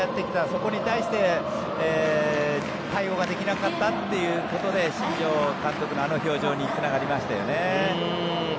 そこに対して対応ができなかったということで新庄監督のあの表情につながりましたよね。